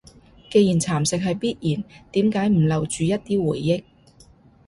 既然蠶蝕係必然，點解唔留住一啲回憶？